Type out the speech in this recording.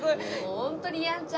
ホントにやんちゃ。